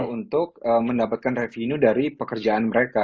untuk mendapatkan revenue dari pekerjaan mereka